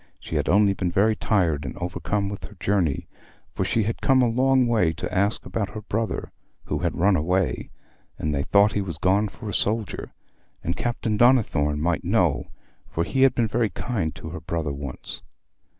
She had only been very tired and overcome with her journey, for she had come a long way to ask about her brother, who had run away, and they thought he was gone for a soldier, and Captain Donnithorne might know, for he had been very kind to her brother once.